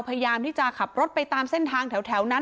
พยายามที่จะขับรถไปตามเส้นทางแถวนั้น